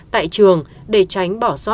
tại trường để tránh bỏ sót các trường hợp